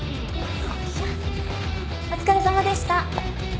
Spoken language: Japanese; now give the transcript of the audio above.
お疲れさまでした。